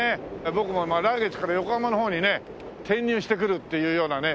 僕も来月から横浜の方にね転入してくるっていうようなね